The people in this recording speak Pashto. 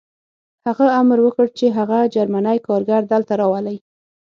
هغه امر وکړ چې هغه جرمنی کارګر دلته راولئ